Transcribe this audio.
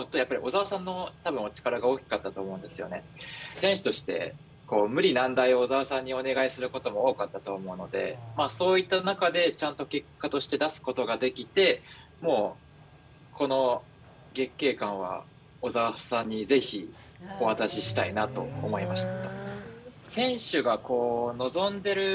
選手として無理難題を小澤さんにお願いすることも多かったと思うのでそういった中でちゃんと結果として出すことができてもうこの月桂冠は小澤さんにぜひお渡ししたいなと思いました。